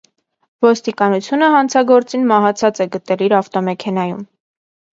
Ոստիկանությունը հանցագործին մահացած է գտել իր ավտոմեքենայում։